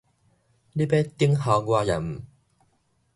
你欲等候我猶毋